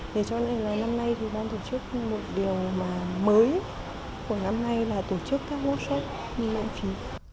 để cho nên là năm nay thì đang tổ chức một điều mà mới của năm nay là tổ chức các hỗ trợ như mạng phí